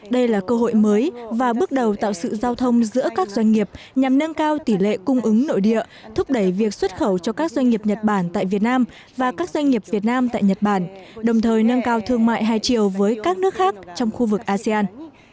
đây là cơ hội mới và bước đầu tạo sự giao thông giữa các doanh nghiệp nhằm nâng cao tỷ lệ cung ứng nội địa thúc đẩy việc xuất khẩu cho các doanh nghiệp nhật bản tại việt nam và các doanh nghiệp việt nam tại nhật bản đồng thời nâng cao thương mại hai chiều với các nước khác trong khu vực asean